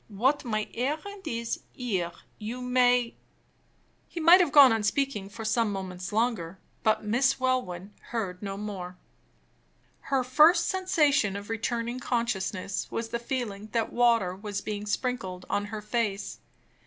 What my errand here is, you may " He might have gone on speaking for some moments longer; but Miss Welwyn heard no more. Her first sensation of returning consciousness was the feeling that water was being sprinkled on her face.